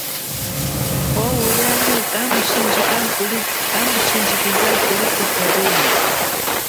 Pwo liami kamushindjikiza kuli sepa lienyi.